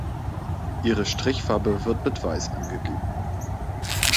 Ihre Strichfarbe wird mit weiß angegeben.